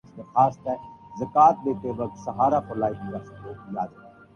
ہم تصویر کو یک رنگی بھی بنا سکتے ہی